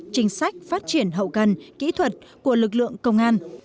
chính sách phát triển hậu cần kỹ thuật của lực lượng công an